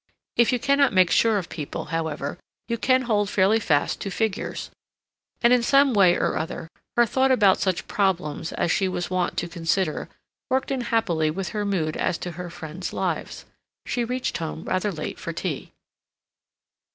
If you cannot make sure of people, however, you can hold fairly fast to figures, and in some way or other her thought about such problems as she was wont to consider worked in happily with her mood as to her friends' lives. She reached home rather late for tea.